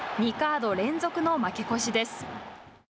２カード連続の負け越しです。